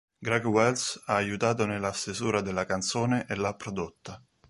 Greg Wells ha aiutato nella stesura della canzone e l'ha prodotta.